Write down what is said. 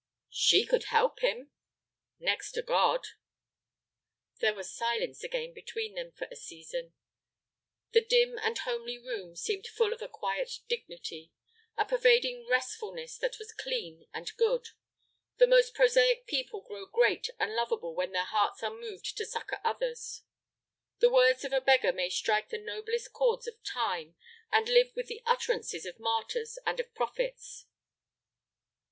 "She could help him." "Next to God." There was silence again between them for a season. The dim and homely room seemed full of a quiet dignity, a pervading restfulness that was clean and good. The most prosaic people grow great and lovable when their hearts are moved to succor others. The words of a beggar may strike the noblest chords of time, and live with the utterances of martyrs and of prophets.